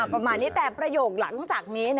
ประมาณนี้แต่ประโยคหลังจากนี้